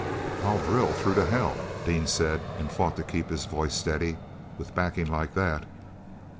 "I'd drill through to hell," Dean said and fought to keep his voice steady, "with backing like that!"